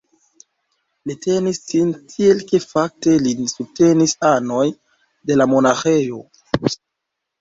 Li tenis sin tiel ke fakte lin subtenis anoj de la monaĥejo.